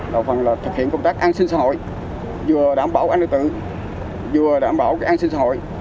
đầu phần là thực hiện công tác an sinh xã hội vừa đảm bảo an ninh tự vừa đảm bảo an sinh xã hội